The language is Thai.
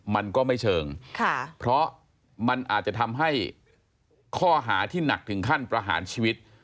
มันก็ไม่เชิงค่ะเพราะมันอาจจะทำให้ข้อหาที่หนักถึงขั้นประหารชีวิต